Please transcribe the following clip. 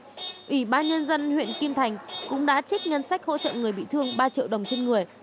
ủy ban nhân dân huyện kim thành cũng đã trích ngân sách hỗ trợ người bị thương ba triệu đồng trên người